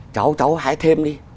cháu cháu hái thêm đi